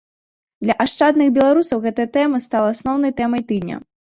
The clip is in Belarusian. Для ашчадных беларусаў гэтая тэма стала асноўнай тэмай тыдня.